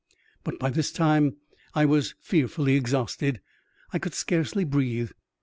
But by this time I was fearfully exhausted — I could scarcely breathe.